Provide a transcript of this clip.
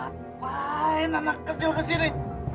ngapain anak kecil kesini